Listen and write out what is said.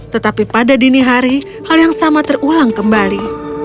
tetapi pada dini hari hal yang sama terulang kembali